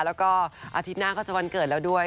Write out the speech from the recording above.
แล้วก็อาทิตย์หน้าก็จะวันเกิดแล้วด้วย